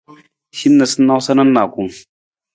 Hin noosanoosa nijanu.